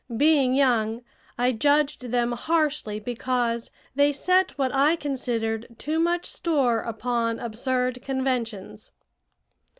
Being young, I judged them harshly because they set what I considered too much store upon absurd conventions.